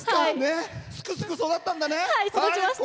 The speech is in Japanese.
すくすく育ったんだね。